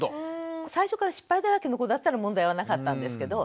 最初から失敗だらけの子だったら問題はなかったんですけど。